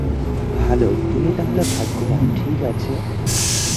ভাল, তুমি তাহলে ভাগ্যবান, ঠিক আছে?